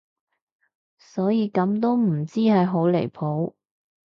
所以咁都唔知係好離譜